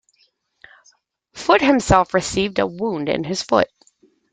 Foote himself received a wound in his foot.